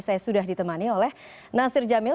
saya sudah ditemani oleh nasir jamil